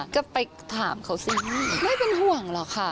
ก็ไปถามเขาสิไม่เป็นห่วงหรอกค่ะ